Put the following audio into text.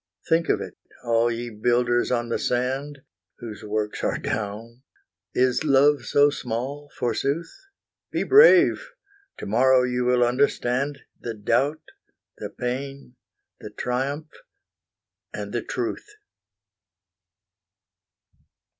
Think of it, all ye builders on the sand, Whose works are down! Is love so small, forsooth? Be brave! To morrow you will understand The doubt, the pain, the triumph, and the Truth!